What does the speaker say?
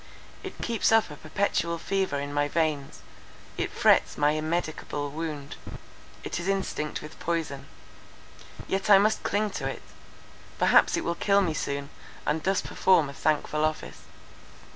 It keeps up a perpetual fever in my veins; it frets my immedicable wound; it is instinct with poison. Yet I must cling to it; perhaps it will kill me soon, and thus perform a thankful office."